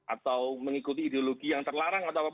atau mengikuti ideologi yang terlarang atau apapun